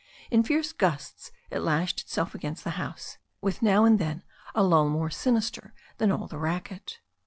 In fierce g^sts it lashed itself against the house, with now and then a lull more sinister than all the racket.